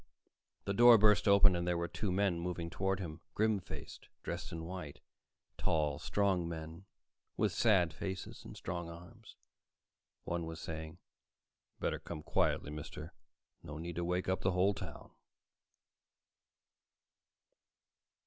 The door burst open and there were two men moving toward him, grim faced, dressed in white; tall, strong men with sad faces and strong arms. One was saying, "Better come quietly, mister. No need to wake up the whole town."